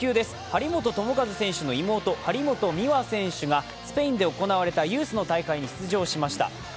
張本智和選手の妹、張本美和選手がスペインで行われたユースの大会に出場しました。